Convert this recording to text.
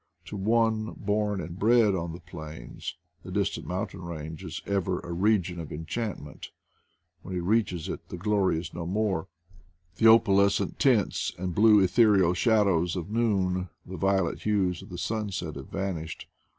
To one, born and bred on the plains, the distant mountain range is ever a region of enchantment; when he reaches it the glory is no more ; the opalescent tints and blue ethereal shadows of noon, the violet hues of the sunset have vanished.